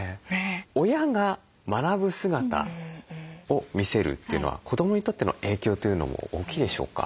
親が学ぶ姿を見せるというのは子どもにとっての影響というのも大きいでしょうか？